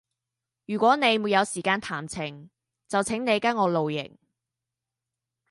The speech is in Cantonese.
如果你沒有時間談情，就請你跟我露營。